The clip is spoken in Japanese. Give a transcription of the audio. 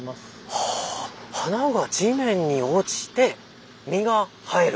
はあ花が地面に落ちて実が生える？